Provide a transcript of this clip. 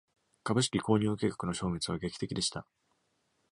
株式購入計画の消滅は劇的でした。